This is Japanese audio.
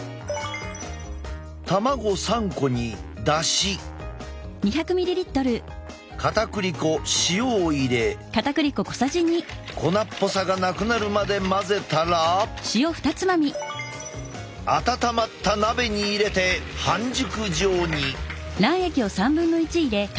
卵３個にだしかたくり粉塩を入れ粉っぽさがなくなるまで混ぜたら温まった鍋に入れて半熟状に。